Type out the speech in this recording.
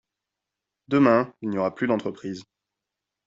Demain, il n’y aura plus d’entreprises